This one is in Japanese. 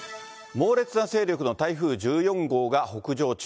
猛烈な勢力の台風１４号が北上中。